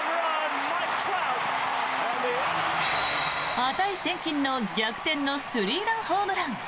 値千金の逆転のスリーランホームラン。